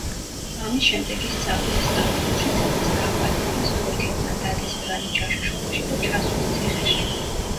ამის შემდეგ ის წავიდა სტამბოლში, სადაც დააპატიმრეს თურქებმა, დადეს ბრალი ჯაშუშობაში და ჩასვეს ციხეში.